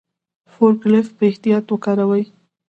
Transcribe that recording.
فورک لیفټ په احتیاط وکاروئ.